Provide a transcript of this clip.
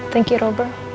terima kasih robert